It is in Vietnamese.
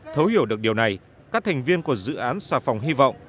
thấu hiểu được điều này các thành viên của dự án xà phòng hy vọng